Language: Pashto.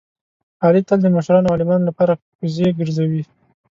علي تل د مشرانو او عالمانو لپاره کوزې ګرځوي.